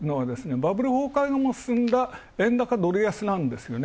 バブル崩壊後も進んだ円高ドル安なんですね